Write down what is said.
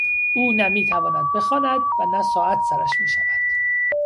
او نه میتواند بخواند و نه ساعت سرش میشود.